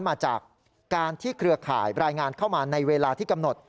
มาจากการที่เครือข่ายรายงานเข้ามาในเวลาที่กำหนด